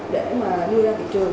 để mà đưa ra thị trường